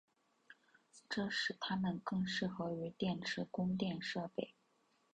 这使它们更适合于电池供电设备。